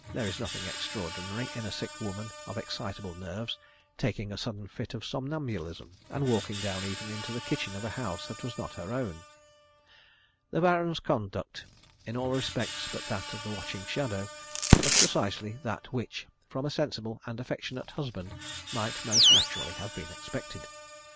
There is nothing extraordinary in a sick woman of exciteable nerves taking a sudden fit of somnambulism, and walking down even into the kitchen of a house that was not her own. The Baron's conduct in all respects but that of the watching shadow was precisely that which, from a sensible and affectionate husband, might most naturally have been expected.